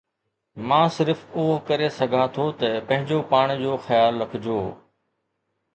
مان صرف اهو ڪري سگهان ٿو ته پنهنجو پاڻ جو خيال رکجو